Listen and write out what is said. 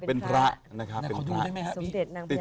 เป็นพระค่ะ